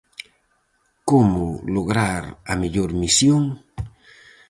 Como lograr a mellor misión?